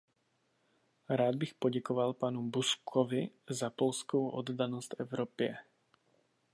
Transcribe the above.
Rád bych poděkoval panu Buzkovi za polskou oddanost Evropě.